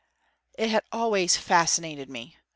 It had always fascinated me.